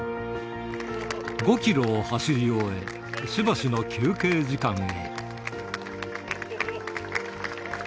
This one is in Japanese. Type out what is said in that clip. ５キロを走り終え、しばしの休憩時間へ。